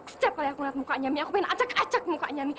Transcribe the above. setiap kali aku melihat mukanya mi aku ingin acak acak mukanya mi